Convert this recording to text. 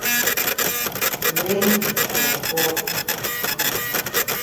Rain di fall fall.